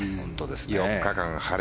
４日間、晴れ。